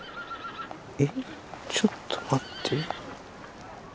えっちょっと待って。